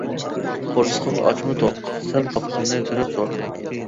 قورسىقىڭ ئاچمۇ توق؟ -سەل قاپىقىمنى تۈرۈپ، سورىدىم.